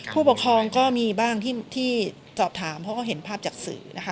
ผู้ปกครองก็มีบ้างที่สอบถามเพราะเขาเห็นภาพจากสื่อนะคะ